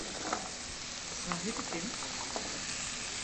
Sahibi kim?